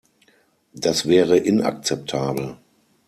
Das wäre inakzeptabel.